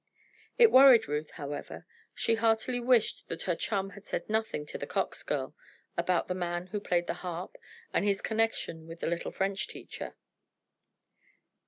It worried Ruth, however. She heartily wished that her chum had said nothing to the Cox girl about the man who played the harp and his connection with the little French teacher.